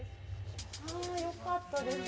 よかったですね。